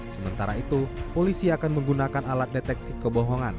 sementara itu polisi akan menggunakan alat deteksi kebohongan